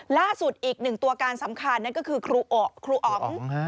ล่าสุดอีกหนึ่งตัวการสำคัญนั่นก็คือครูอ๋อง